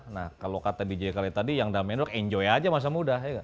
nah kalau dj kali tadi yang damai damai enjoy aja masa muda